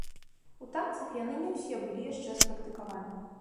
У танцах яны не ўсе былі яшчэ спрактыкаваны.